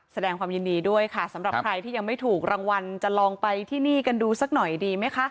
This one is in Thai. แสดงความยินดีด้วยค่ะสำหรับใครที่ยังไม่ถูกรางวัลจะลองไปที่นี่กันดูสักหน่อยดีไหมคะ